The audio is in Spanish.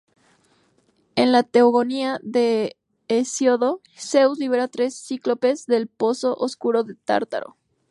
En la Teogonía de Hesíodo, Zeus libera tres cíclopes del pozo oscuro del Tártaro.